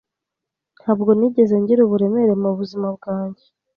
Ntabwo nigeze ngira uburemere mubuzima bwanjye.